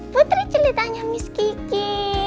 putri celitanya miss kiki